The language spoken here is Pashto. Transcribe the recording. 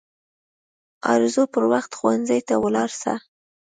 ارزو پر وخت ښوونځي ته ولاړه سه